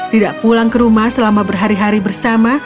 tidak pulang ke rumah selama berhari hari bersama